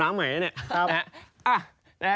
ใหม่ใช่ไหม